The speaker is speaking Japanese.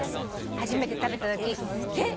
「初めて食べたときえっ